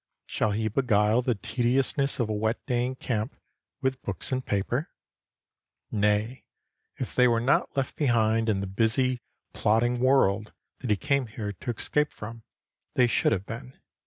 Shall he beguile the tediousness of a wet day in camp with books and papers? Nay, if they were not left behind in the busy, plodding world that he came here to escape from, they should have been.